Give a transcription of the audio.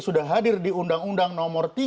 sudah hadir di undang undang nomor tiga